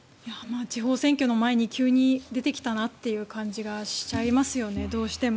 地方選挙の前に急に出てきたなという感じがしちゃいますよね、どうしても。